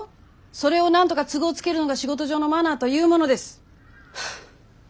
それをなんとか都合つけるのが仕事上のマナーというものです。